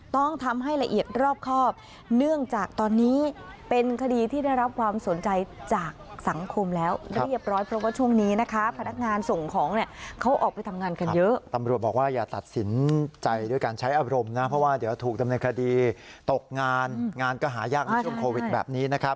ต้องทำให้ละเอียดรอบครอบ